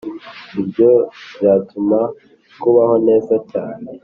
ibyo byatuma kubaho neza cyane,